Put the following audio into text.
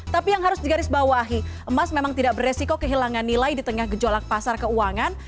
tapi yang harus digarisbawahi emas memang tidak beresiko kehilangan nilai di tengah gejolak pasar keuangan